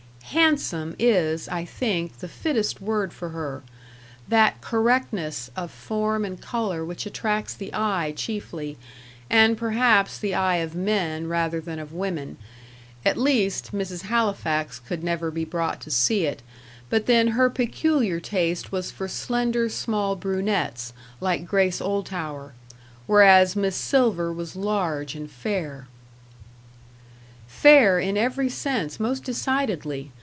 "Handsome" is, I think, the fittest word for her; that correctness of form and colour which attracts the eye chiefly, and perhaps the eye of men rather than of women; at least, Mrs. Halifax could never be brought to see it. But then her peculiar taste was for slender, small brunettes, like Grace Oldtower; whereas Miss Silver was large and fair. Fair, in every sense, most decidedly.